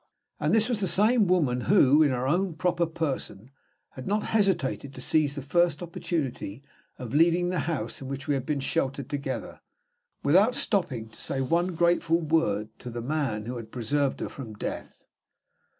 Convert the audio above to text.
And this was the same woman who, in her own proper person, had not hesitated to seize the first opportunity of leaving the house in which we had been sheltered together without stopping to say one grateful word to the man who had preserved her from death!